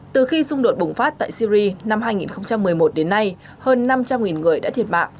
từ khi xung đột bùng phát tại syri năm hai nghìn một mươi một đến nay hơn năm trăm linh người đã thiệt mạng